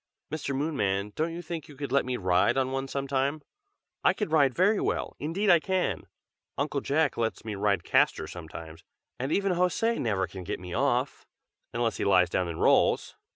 "Mr. Moonman, don't you think you could let me ride on one some time? I can ride very well, indeed I can! Uncle Jack lets me ride Castor sometimes, and even José never can get me off, unless he lies down and rolls!